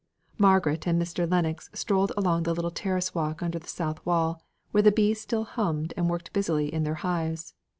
Margaret and Mr. Lennox strolled along the little terrace walk under the south wall, where the bees still hummed and worked busily in their hives.